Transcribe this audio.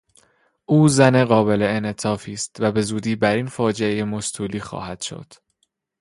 او زن قابل انعطافی است و بهزودی بر این فاجعه مستولی خواهد شد.